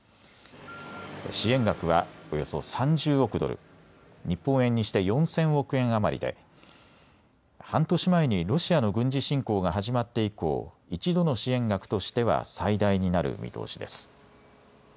支援額はおよそ３０億ドル、日本円にして４０００億円余りで半年前にロシアの軍事侵攻が始まって以降、１度の支援額としては最大になる見通しです。